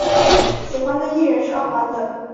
喜欢的艺人是奥华子。